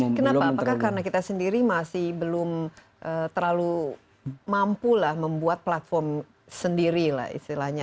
kenapa apakah karena kita sendiri masih belum terlalu mampu lah membuat platform sendiri lah istilahnya